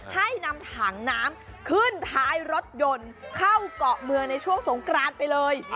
ให้นำถังน้ำขึ้นท้ายรถยนต์เข้าเกาะเมืองในช่วงสงกรานไปเลย